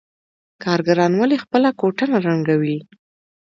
کارګران ولې خپله کوټه نه رنګوي